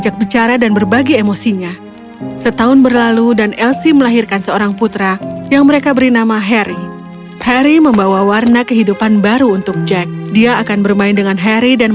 hansel sekarang saatnya untuk mandi